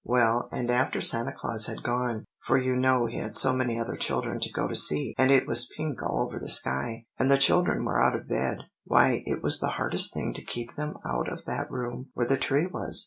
"Well, and after Santa Claus had gone, for you know he had so many other children to go to see, and it was pink all over the sky, and the children were out of bed; why, it was the hardest thing to keep them out of that room where the tree was.